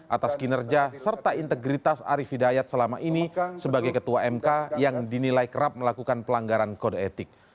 atas kinerja serta integritas arief hidayat selama ini sebagai ketua mk yang dinilai kerap melakukan pelanggaran kode etik